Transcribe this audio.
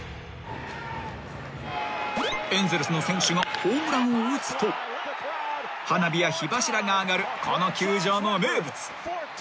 ［エンゼルスの選手がホームランを打つと花火や火柱が上がるこの球場の名物］